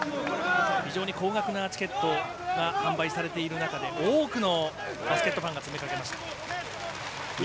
非常に高額なチケットが販売されている中で多くのバスケットファンが詰めかけました。